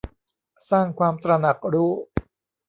สร้างความตระหนักรู้